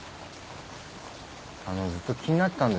あのずっと気になってたんですけど